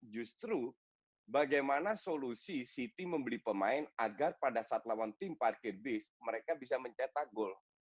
justru bagaimana solusi city membeli pemain agar pada saat lawan tim parkir base mereka bisa mencetak gol